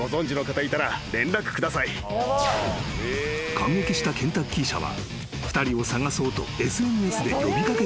［感激したケンタッキー社は２人を捜そうとＳＮＳで呼び掛けていたのだ］